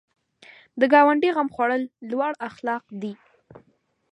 د ګاونډي غم خوړل لوړ اخلاق دي